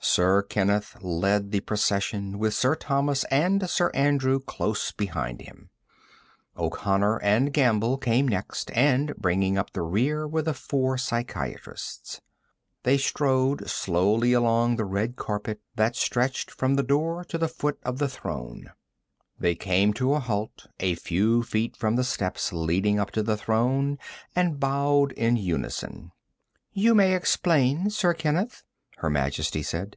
Sir Kenneth led the procession, with Sir Thomas and Sir Andrew close behind him. O'Connor and Gamble came next, and bringing up the rear were the four psychiatrists. They strode slowly along the red carpet that stretched from the door to the foot of the throne. They came to a halt a few feet from the steps leading up to the throne, and bowed in unison. "You may explain, Sir Kenneth," Her Majesty said.